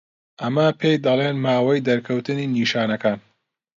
ئەمە پێی دەڵێن ماوەی دەرکەوتنی نیشانەکان.